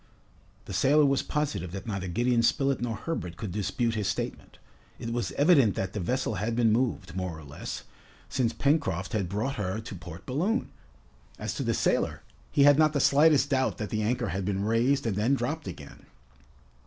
The sailor was positive that neither Gideon Spilett nor Herbert could dispute his statement. It was evident that the vessel had been moved, more or less, since Pencroft had brought her to Port Balloon. As to the sailor, he had not the slightest doubt that the anchor had been raised and then dropped again.